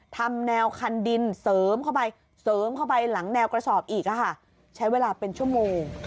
ทำแนวคันดินเสริมเข้าไปเสริมเข้าไปหลังแนวกระสอบอีกใช้เวลาเป็นชั่วโมง